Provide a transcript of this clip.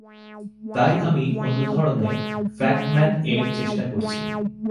তাই আমি অন্য ধরনের ফ্যাট ম্যান-এর চেষ্টা করছি।